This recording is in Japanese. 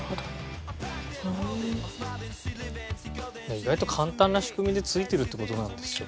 意外と簡単な仕組みで付いてるって事なんですよ。